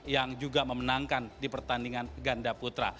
yang juga memenangkan di pertandingan ganda putra